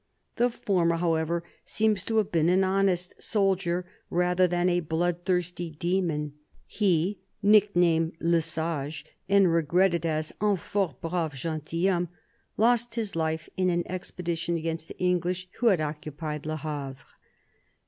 The former, however, seems to have been an honest soldier rather than a bloodthirsty demon. He, nicknamed " le Sage" and regretted as " un fort brave gentilhomme," lost his life in an expedition against the English, who had occupied Le Havre.